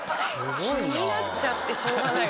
気になっちゃってしょうがないですね。